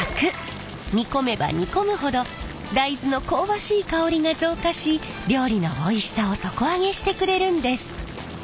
煮込めば煮込むほど大豆の香ばしい香りが増加し料理のおいしさを底上げしてくれるんです！